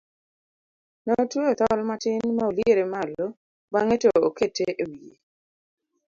ne otweyo thol matin ma oliere malo bang'e to okete e wiye